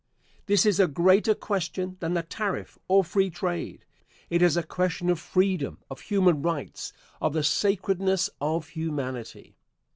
This is a greater question than the tariff or free trade. It is a question of freedom, of human rights, of the sacredness of humanity.